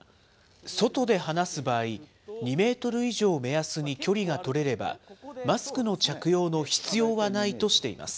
外で話す場合、２メートル以上を目安に距離が取れれば、マスクの着用の必要はないとしています。